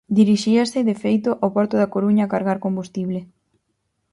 Dirixíase, de feito, ao porto da Coruña a cargar combustible.